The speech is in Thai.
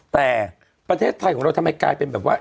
แต่ประเทศไทยของเราทำไมกลายเป็นแบบว่า